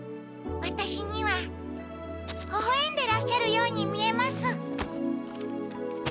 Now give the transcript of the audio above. ワタシにはほほえんでらっしゃるように見えます。